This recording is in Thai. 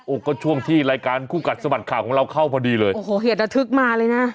ก็ช่วงที่รายการคู่กัดสะบัดข่าวของเราเข้าพอดีเลยโอ้โหเหตุระทึกมาเลยนะ